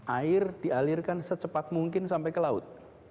air dialirkan secepat mungkin sampai ke laut